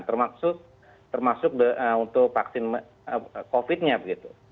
termasuk untuk vaksin covid nya begitu